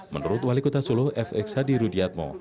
menurut wali kota solo f eksadi rudiatmo